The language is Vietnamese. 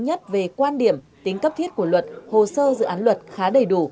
nhất về quan điểm tính cấp thiết của luật hồ sơ dự án luật khá đầy đủ